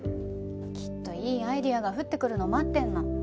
きっといいアイデアが降ってくるのを待ってるの。